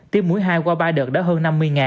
tiêm mũi hai qua ba đợt đã hơn năm mươi ngày